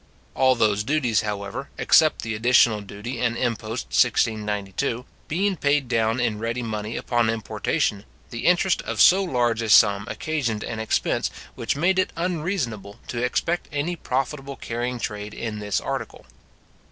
All those duties, however, except the additional duty and impost 1692, being paid down in ready money upon importation, the interest of so large a sum occasioned an expense, which made it unreasonable to expect any profitable carrying trade in this article.